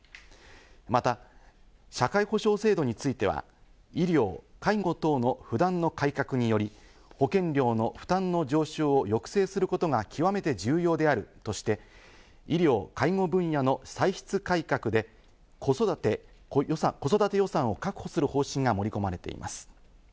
また、社会保障制度については、医療・介護等の不断の改革により保険料の負担の上昇を抑制することが極めて重要であるとして、医療介護分野の歳出改革で子育て予算を確保する方針が盛り込まれています。